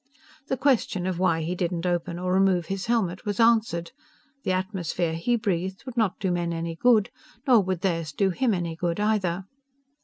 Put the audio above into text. The question of why he did not open or remove his helmet was answered. The atmosphere he breathed would not do men any good, nor would theirs do him any good, either.